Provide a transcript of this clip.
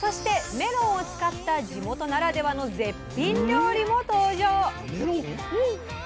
メロンを使った地元ならではの絶品料理も登場。